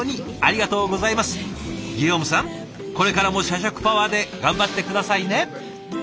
ギヨームさんこれからも社食パワーで頑張って下さいね。